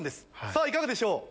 さぁいかがでしょう？